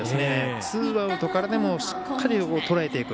ツーアウトからでもしっかりと、とらえていく。